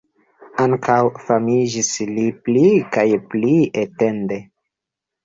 Ankaŭ famiĝis li pli kaj pli etende.